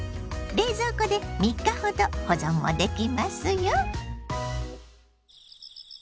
冷蔵庫で３日ほど保存もできますよ。